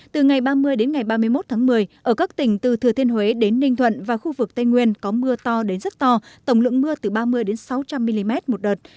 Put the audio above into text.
từ ngày ba mươi đến ngày ba mươi một tháng một mươi ở các tỉnh từ thừa thiên huế đến ninh thuận và khu vực tây nguyên có mưa to đến rất to tổng lượng mưa từ ba mươi sáu trăm linh mm một đợt